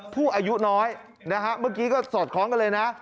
ผู้อายุน้อยนะฮะเมื่อกี้ก็สอดคล้องกันเลยนะ